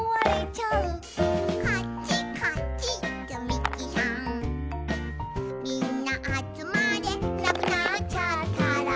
みんなあつまれ」「なくなっちゃったら」